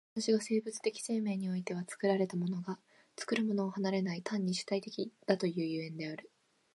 私が生物的生命においては作られたものが作るものを離れない、単に主体的だという所以である。